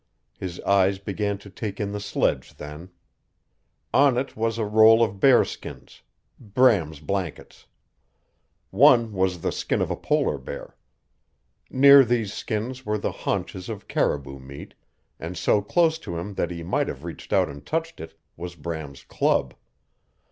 His eyes began to take in the sledge then. On it was a roll of bear skins Bram's blankets. One was the skin of a polar bear. Near these skins were the haunches of caribou meat, and so close to him that he might have reached out and touched it was Bram's club.